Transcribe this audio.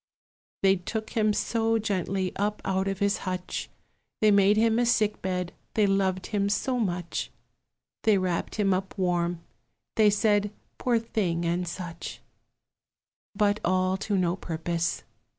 They took him so gently up out of his hutch, They made him a sick bed, they loved him so much; They wrapped him up warm; they said, Poor thing, and such; But all to no purpose.